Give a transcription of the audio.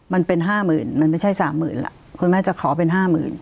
มันเป็นห้าหมื่นมันไม่ใช่สามหมื่นล่ะคุณแม่จะขอเป็นห้าหมื่น